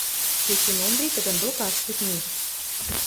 Петюн Ондри тидӹн докы ашкед миш.